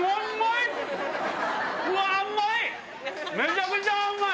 うわっ、うまい！